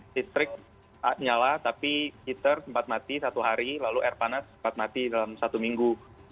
listrik nyala tapi kiter sempat mati satu hari lalu air panas sempat mati dalam satu minggu